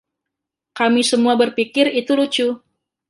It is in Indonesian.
Kami semua berpikir itu lucu.